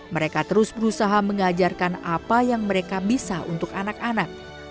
mereka terus berusaha mengajarkan apa yang mereka bisa untuk anak anak